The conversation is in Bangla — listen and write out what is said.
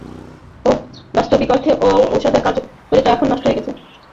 বোহ, বাস্তবিক অর্থে ঐ ঔষধের কার্যকারিতা এখন নষ্ট হয়ে গেছে।